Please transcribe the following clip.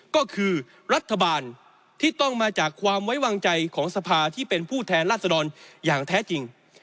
ก็คือรัฐบาลที่ต้องมาจากความไว้วางใจของสภาที่เป็นผู้แทนราชดรอย่างแท้จริง